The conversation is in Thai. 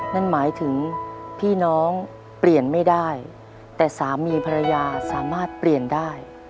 นั่นหมายถึงพี่น้องเปลี่ยนไม่ได้แต่สามีภรรยาสามารถเปลี่ยนได้